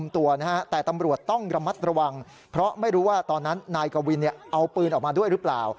ตอนนั้นนายกวินเอาปืนออกมาด้วยรึเปล่า